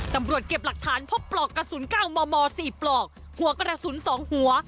ตำรวจเก็บหลักฐานพบปลอกกระสุน๙มม๔ปลอกหัวกระสุน๒หัว